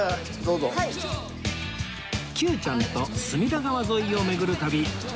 Ｑ ちゃんと隅田川沿いを巡る旅